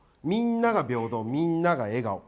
みんなが平等、みんなが笑顔。